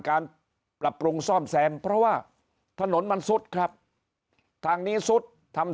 การปรับปรุงซ่อมแซมเพราะว่าถนนมันซุดครับทางนี้ซุดทำ